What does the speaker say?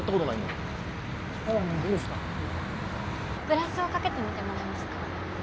グラスをかけてみてもらえますか？